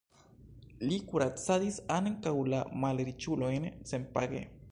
Li kuracadis ankaŭ la malriĉulojn senpage.